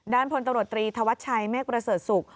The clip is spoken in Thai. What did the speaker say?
พลตำรวจตรีธวัชชัยเมฆประเสริฐศุกร์